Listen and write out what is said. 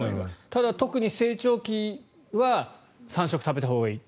ただ、特に成長期は３食食べたほうがいい。